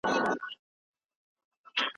مُلا ډوب سو په سبا یې جنازه سوه